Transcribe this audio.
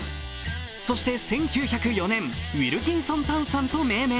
そして１９０４年、ウヰルキンソンタンサンと命名。